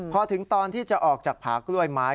พอถึงตอนที่จะออกจากผากล้วยไม้